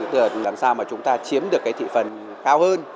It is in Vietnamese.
để làm sao mà chúng ta chiếm được cái thị phần cao hơn